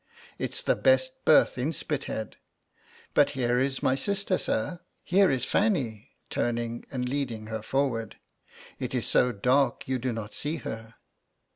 It's the best berth in Spithead. But here is my sister, sir; here is Fanny, turning and leading her forward it is so dark you do not see her."'